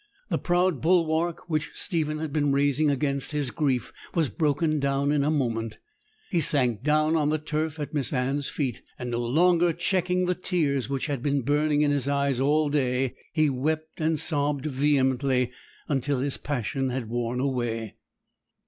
The proud bulwark which Stephen had been raising against his grief was broken down in a moment. He sank down on the turf at Miss Anne's feet; and, no longer checking the tears which had been burning in his eyes all day, he wept and sobbed vehemently, until his passion had worn away.